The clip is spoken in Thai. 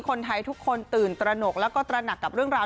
คนไทยทุกคนตื่นตระหนกแล้วก็ตระหนักกับเรื่องราว